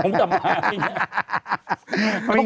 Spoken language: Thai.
เป็นแครมไปแล้วใช่ไหม